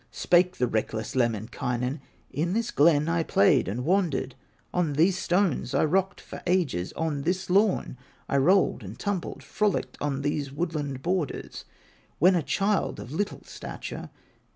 Spake the reckless Lemminkainen: "In this glen I played and wandered, On these stones I rocked for ages, On this lawn I rolled and tumbled, Frolicked on these woodland borders, When a child of little stature.